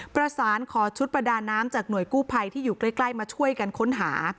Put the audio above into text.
ประสานขอชุดประดาน้ำจากหน่วยกู้ภัยที่อยู่ใกล้มาช่วยกันค้นหา